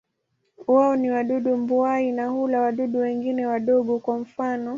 Wao ni wadudu mbuai na hula wadudu wengine wadogo, kwa mfano.